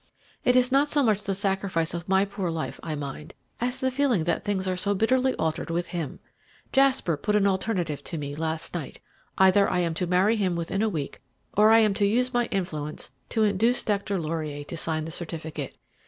It is not so much the sacrifice of my poor life I mind as the feeling that things are so bitterly altered with him. Jasper put an alternative to me last night. Either I am to marry him within a week, or I am to use my influence to induce Dr. Laurier to sign the certificate.